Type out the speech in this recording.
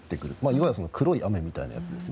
いわゆる黒い雨みたいなやつです